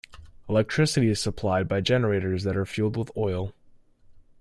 Electricity is supplied by generators that are fueled with oil.